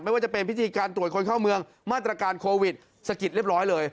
ว่าจะเป็นพิธีการตรวจคนเข้าเมืองมาตรการโควิดสะกิดเรียบร้อยเลย